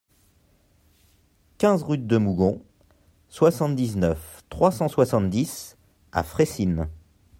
quinze route de Mougon, soixante-dix-neuf, trois cent soixante-dix à Fressines